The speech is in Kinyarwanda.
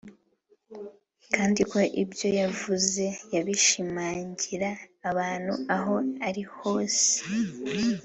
kandi ko ibyo yavuze yabishimangira ahantu aho ariho hose